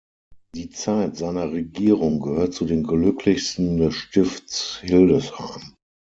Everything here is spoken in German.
Die Zeit seiner Regierung gehört zu den glücklichsten des Stifts Hildesheim.